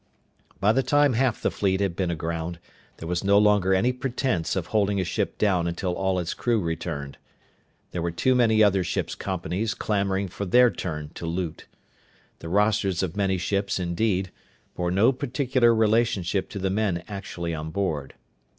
By the time half the fleet had been aground, there was no longer any pretense of holding a ship down until all its crew returned. There were too many other ships' companies clamoring for their turn to loot. The rosters of many ships, indeed, bore no particular relationship to the men actually on board.